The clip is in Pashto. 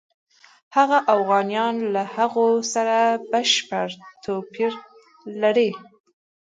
هغه اوغانیان له هغو سره بشپړ توپیر لري.